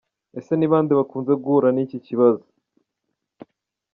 Ese ni bande bakunze guhura n’iki kibazo?.